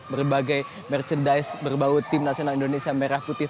berbagai merchandise berbau tim nasional indonesia merah putih